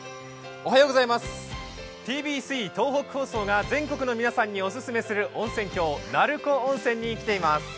ｔｂｃ東北放送が全国の皆さんにお勧めする温泉郷鳴子温泉に来ています。